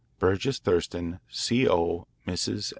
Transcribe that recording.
BURGESS THURSTON, c/o Mrs. S.